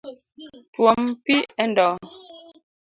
Twom pi e ndoho.